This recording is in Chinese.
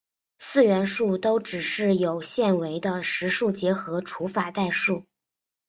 四元数都只是有限维的实数结合除法代数。